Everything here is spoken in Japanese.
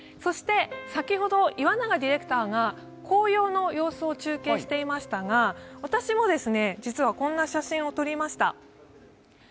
先ほど岩永ディレクターが紅葉の様子を中継していましたが、私もこんな写真を撮りました。